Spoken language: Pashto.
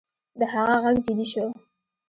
د هغه غږ جدي شو